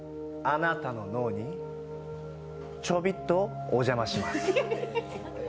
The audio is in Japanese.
あなたの脳にちょびっとお邪魔します。